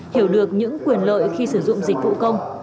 hiểu được những quyền lợi khi sử dụng dịch vụ công